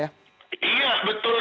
iya betul sekali